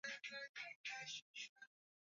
Hadharani ni pema.